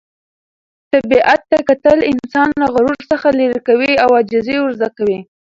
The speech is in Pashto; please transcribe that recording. طبیعت ته کتل انسان له غرور څخه لیرې کوي او عاجزي ور زده کوي.